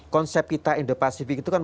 konsep kita indo pasifik itu kan